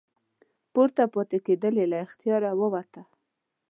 پورته پاتې کیدا یې له اختیاره ووته.